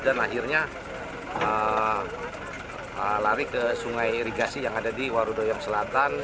dan akhirnya lari ke sungai irigasi yang ada di warudoyong selatan